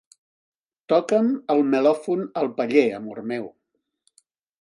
Toca'm el melòfon al paller, amor meu.